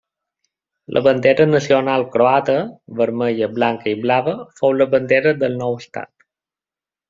La bandera nacional croata vermella, blanca i blava fou la bandera del nou estat.